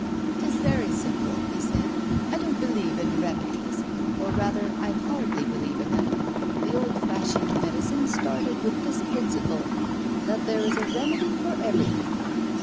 "'Tis very simple," said he; "I don't believe in remedies or rather I hardly believe in them. The old fashioned medicine started with this principle that there is a remedy for everything.